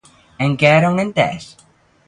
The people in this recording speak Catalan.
En què era un entès?